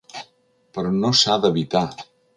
Però no s’ha d’evitar.